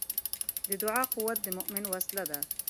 د دعا قوت د مؤمن وسله ده.